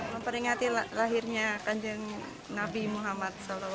memperingati lahirnya kanjeng nabi muhammad saw